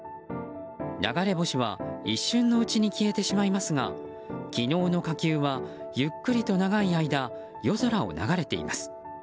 流れ星は一瞬のうちに消えてしまいますが昨日の火球は、ゆっくりと長い間夜空を流れています。